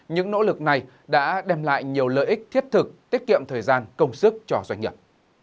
những nỗ lực này đã đem lại nhiều lợi ích thiết thực tiết kiệm thời gian công sức cho doanh nghiệp